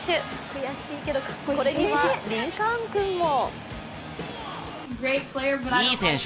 悔しいけどこれにはリンカーン君も。